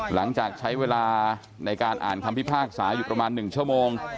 หลังจากใช้เวลาในการอ่านคำพิพากษาอยู่ประมาณ๑ชั่วโมง